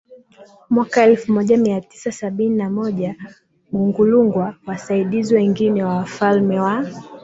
mwaka elfu moja mia tisa sabini na moja Gungulugwa Wasaidizi wengine wa Wafalme wa